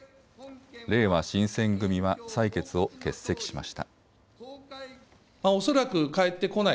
れいわ新選組は採決を欠席しました。